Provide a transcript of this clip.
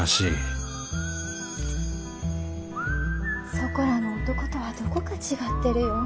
そこらの男とはどこか違ってるよ。